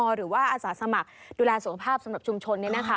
หรือว่าอสสมกดูแลสุขภาพสำหรับชุมชนนี่นะคะ